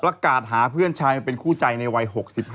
ประกาศหาเพื่อนชายมาเป็นคู่ใจในวัย๖๕